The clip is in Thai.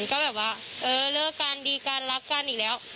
ก็แบบว่าเออเลิกกันดีกันรักกันอีกแล้ว